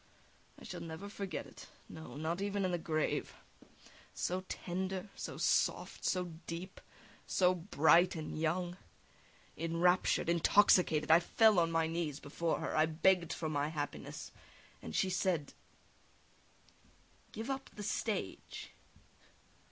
I shall never forget it, no, not even in the grave; so tender, so soft, so deep, so bright and young! Enraptured, intoxicated, I fell on my knees before her, I begged for my happiness, and she said: "Give up the stage!"